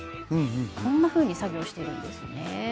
こんなふうに作業しているんですね。